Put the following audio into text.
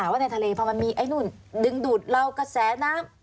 ว่าในทะเลพอมันมีไอ้นู่นดึงดูดเรากระแสน้ำ